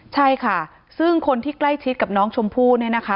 ใช่ค่ะซึ่งคนที่ใกล้ชิดกับน้องชมพู่เนี่ยนะคะ